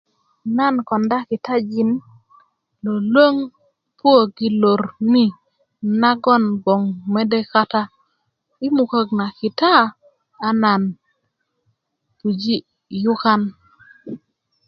nan konda kitajin lwölwöŋ puwök i lor ni nagon kon gboŋ mede kata i mukak na kita a nan puji yukan